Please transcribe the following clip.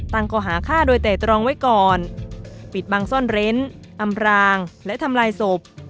ก่อหาฆ่าโดยแต่ตรองไว้ก่อนปิดบังซ่อนเร้นอำรางและทำลายศพ